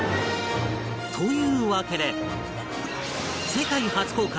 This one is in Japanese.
というわけで世界初公開